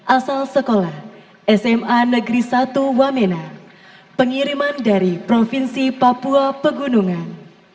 asal sekolah sma negeri satu wamena pengiriman dari provinsi papua pegunungan